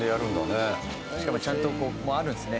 しかもちゃんとあるんですね